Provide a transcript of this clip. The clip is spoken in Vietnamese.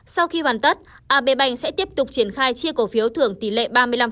sau khi hoàn tất abbank sẽ tiếp tục triển khai chia cổ phiếu thưởng tỷ lệ ba mươi năm